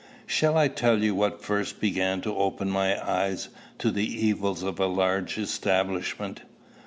Shall I tell you what first began to open my eyes to the evils of a large establishment?